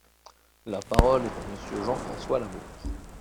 La parole est à Monsieur Jean-François Lamour.